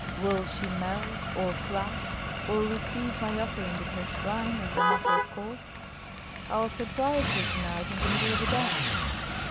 Will she melt, or flash, or receive my offering at her shrine as a matter of course? I'll surprise her to night in the middle of a dance."